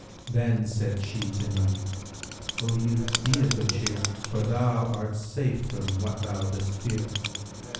Then said she to me, 'O youth, be of good cheer, for thou art safe from what thou dost fear!'